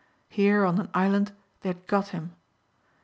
Here on an island they had got him.